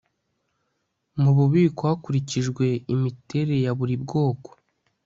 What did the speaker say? mu bubiko hakurikijwe imiterere ya buri bwoko